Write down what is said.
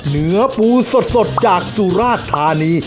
เนื้อปูสดจากสุราชธานี